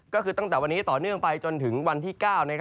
ก็คือตั้งแต่วันนี้ต่อเนื่องไปจนถึงวันที่๙